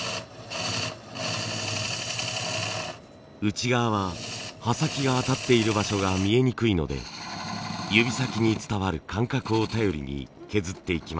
内側は刃先が当たっている場所が見えにくいので指先に伝わる感覚を頼りに削っていきます。